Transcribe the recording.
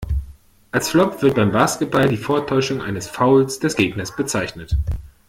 Als Flop wird im Basketball die Vortäuschung eines Fouls des Gegners bezeichnet.